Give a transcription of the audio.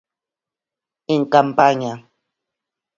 En campaña.